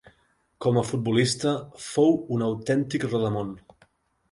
Com a futbolista fou un autèntic rodamón.